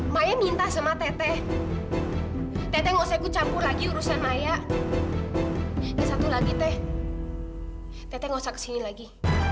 maya minta sama teteh teteh ngosek dicampur lagi urusan maya satu lagi teh teteh nggak usah kesini lagi